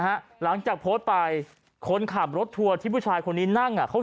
หลังจากโพสต์ไปคนขับรถทัวร์ที่ผู้ชายคนนี้นั่งอ่ะเขา